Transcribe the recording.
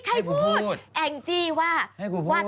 ได้เกี่ยวเอง